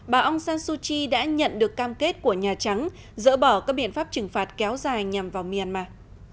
bà aung san suu kyi đã nhận được cam kết của nhà trắng dỡ bỏ các biện pháp trừng phạt kéo dài nhằm vào myanmar